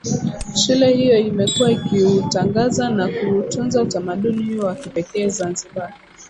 Shule hiyo imekuwa ikiutangaza na kuutunza utamaduni huo wa kipekee Zanzibar